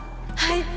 はい。